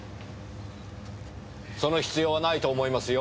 その必要はないと思いますよ。